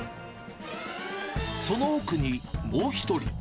その奥に、もう１人。